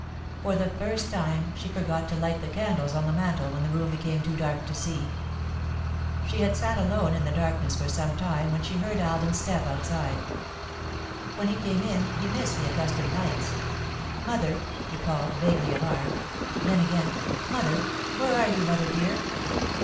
For the first time, she forgot to light the candles on the mantel when the room became too dark to see. She had sat alone in the darkness for some time when she heard Alden's step outside. When he came in, he missed the accustomed lights. "Mother!" he called, vaguely alarmed. Then, again: "Mother! Where are you, Mother dear?"